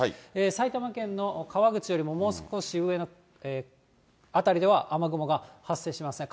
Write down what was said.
埼玉県の川口よりももう少し上の辺りでは、雨雲が発生しますね。